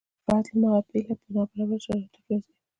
فرد له هماغه پیله په نابرابرو شرایطو کې راځي.